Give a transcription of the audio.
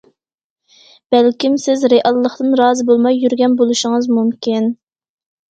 بەلكىم سىز رېئاللىقتىن رازى بولماي يۈرگەن بولۇشىڭىز مۇمكىن.